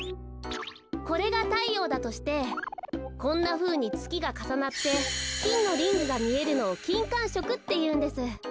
これがたいようだとしてこんなふうにつきがかさなってきんのリングがみえるのをきんかんしょくっていうんです。